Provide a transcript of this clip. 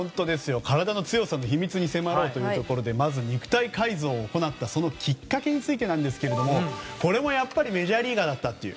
体の強さの秘密に迫ろうということでまず、肉体改造を行ったそのきっかけについてですけどもこれもやっぱりメジャーリーガーだったと。